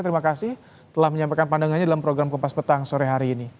terima kasih telah menyampaikan pandangannya dalam program kupas petang sore hari ini